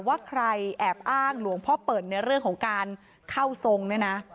ว่าใครแอบอ้างหลวงพ่อเปิ่นในเรื่องของการเข้าทรงเนี่ยนะ